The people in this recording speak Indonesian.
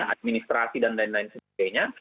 administrasi dan lain lain sebagainya